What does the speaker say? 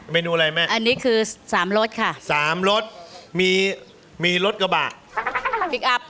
เมนูอะไรแม่อันนี้คือสามรสค่ะสามรสมีมีรถกระบะพลิกอัพ